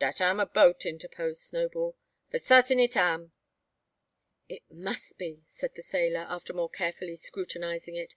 "Dat am a boat," interposed Snowball. "Fo' sartin it am." "It must be," said the sailor, after more carefully scrutinising it.